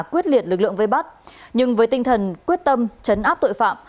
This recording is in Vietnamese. quyết liệt lực lượng vây bắt nhưng với tinh thần quyết tâm chấn áp tội phạm